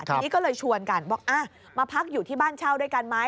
ทีนี้ก็เลยชวนกันบอกมาพักอยู่ที่บ้านเช่าด้วยกันไหม